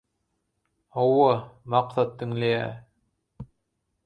– Hawa, Maksat diňleýä.